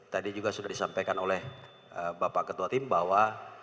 tadi juga sudah disampaikan oleh bapak ketua tim bahwa